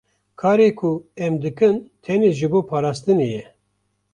Karê ku em dikin tenê ji bo parastinê ye.